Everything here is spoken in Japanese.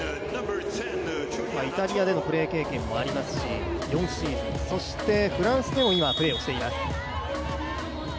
イタリアでのプレー経験もありますし、４シーズン、そしてフランスでも今、プレーをしています。